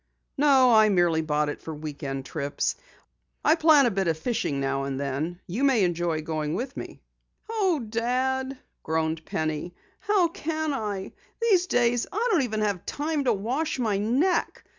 "No, I merely bought it for week end trips. I plan on a bit of fishing now and then. You may enjoy going with me." "Oh, Dad," groaned Penny, "how can I? These days I don't even have time to wash my neck.